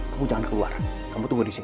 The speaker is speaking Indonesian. kamu jangan keluar kamu tunggu di sini